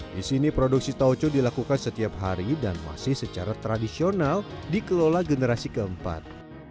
di sini produksi tauco dilakukan setiap hari dan masih secara tradisional dikelola generasi keempat